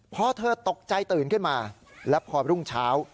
พอเธอตกใจตื่นขึ้นมาแล้วพอรุ่งเช้า